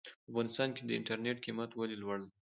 په افغانستان کې د انټرنېټ قيمت ولې لوړ دی ؟